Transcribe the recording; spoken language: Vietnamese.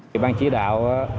ủy ban chí đạo